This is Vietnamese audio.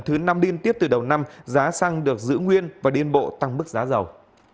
thứ năm liên tiếp từ đầu năm giá xăng được giữ nguyên và điên bộ tăng mức giá dầu